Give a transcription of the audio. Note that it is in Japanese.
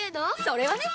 それはね！